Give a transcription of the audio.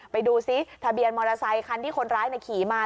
ไปดูซิทะเบียนมอเตอร์ไซคันที่คนร้ายขี่มา